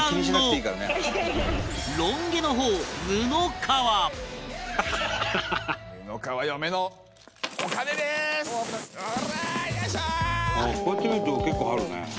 伊達：こうやって見ると結構あるね。